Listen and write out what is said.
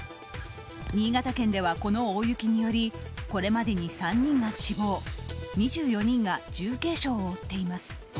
新潟県では、この大雪によりこれまでに３人が死亡２４人が重軽傷を負っています。